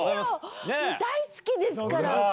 もう大好きですから。